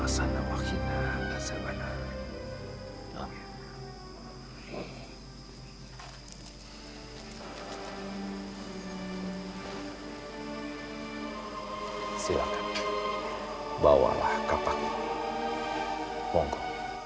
sampai jumpa di video selanjutnya